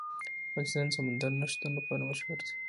افغانستان د سمندر نه شتون لپاره مشهور دی.